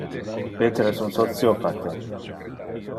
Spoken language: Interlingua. Peter es un sociopathe.